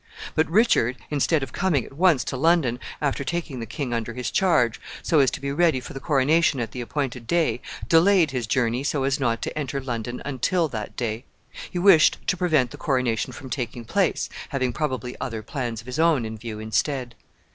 But Richard, instead of coming at once to London, after taking the king under his charge, so as to be ready for the coronation at the appointed day, delayed his journey so as not to enter London until that day. He wished to prevent the coronation from taking place, having probably other plans of his own in view instead.